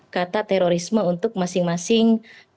kata terorisme untuk masing masing